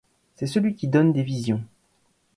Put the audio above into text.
C'est celui qui donne des visions.